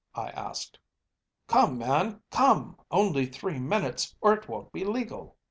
’ I asked. ‚Äú‚ÄėCome, man, come, only three minutes, or it won’t be legal.